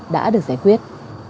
đã được giải quyết